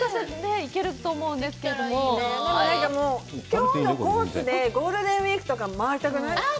きょうのコースでゴールデンウイークとか回りたくない？